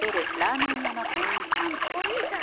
お兄さん。